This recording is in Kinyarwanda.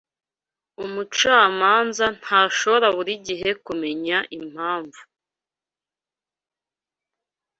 Umucamanza ntashobora buri gihe kumenya impamvu